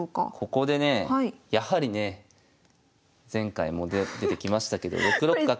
ここでねやはりね前回も出てきましたけど６六角。